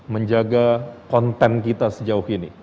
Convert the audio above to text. menjaga konten kita sejauh ini